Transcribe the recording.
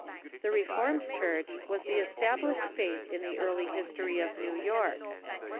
The Reformed Church was the established faith in the early history of New York.